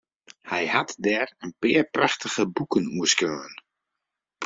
Hy hat dêr in pear prachtige boeken oer skreaun.